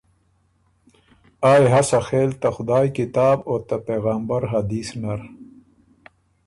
آ يې هۀ سخېل ته خدایٛ کتاب او ته پېغمبر حدیث نر۔